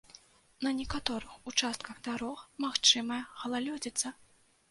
На некаторых участках дарог магчымая галалёдзіца.